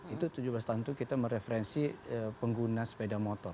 itu tujuh belas tahun itu kita mereferensi pengguna sepeda motor